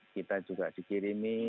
kita juga dikirimi